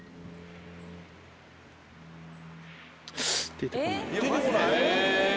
出てこない？